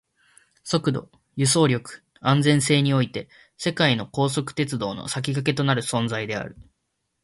速度、輸送力、安全性において世界の高速鉄道の先駆けとなる存在である